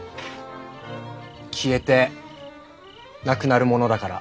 消えてなくなるものだから。